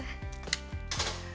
masa kira kira udah